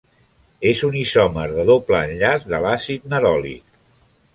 És un isòmer de doble enllaç de l"àcid neròlic.